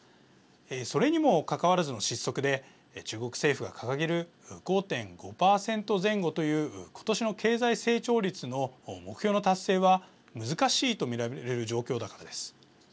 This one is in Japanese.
それにもかかわらずの失速で中国政府が掲げる５．５％前後ということしの経済成長率の目標の達成は難しいと見られる状況だからです。